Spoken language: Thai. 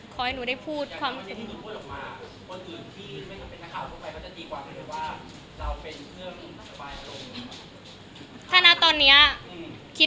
ขอให้หนูได้พูดความคิด